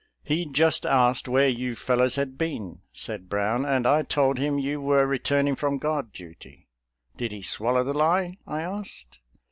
" He just asked where you fellows had been," said Brown, "and I told him you were returning from guard duty." " Did he swallow the lie.? " I asked.